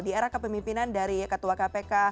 di era kepemimpinan dari ketua kpk